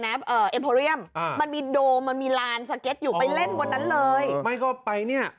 น่ะเอ่อเอ่อมันมีมันมีอยู่ไปเล่นบนนั้นเลยไม่ก็ไปเนี้ย